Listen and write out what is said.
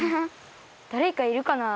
だれかいるかな？